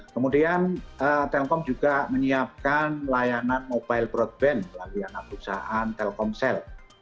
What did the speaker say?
kemudian telkom juga menyiapkan layanan mobile broadband melalui anak perusahaan telkomsel